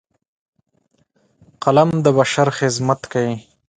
قلم د بشر خدمت کوي